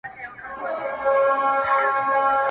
دا خو ډيره گرانه ده.